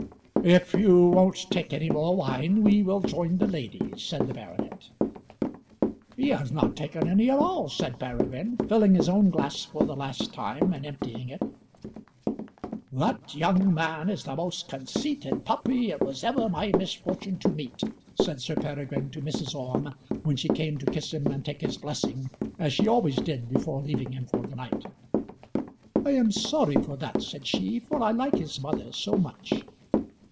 "If you won't take any more wine we will join the ladies," said the baronet. "He has not taken any at all," said Peregrine, filling his own glass for the last time and emptying it. "That young man is the most conceited puppy it was ever my misfortune to meet," said Sir Peregrine to Mrs. Orme, when she came to kiss him and take his blessing as she always did before leaving him for the night. "I am sorry for that," said she, "for I like his mother so much."